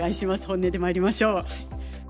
本音でまいりましょう。